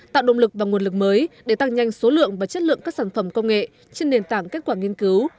tạo động lực và nguồn lực mới để tăng nhanh số lượng và chất lượng các sản phẩm công nghệ trên nền tảng kết quả nghiên cứu